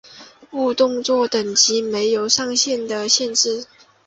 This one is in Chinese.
误动作等级没有上限的限制。